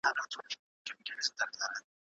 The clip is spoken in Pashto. مشر باید د خپلو خلګو لپاره بیلګه وي.